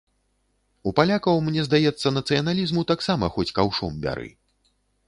У палякаў, мне здаецца, нацыяналізму таксама хоць каўшом бяры.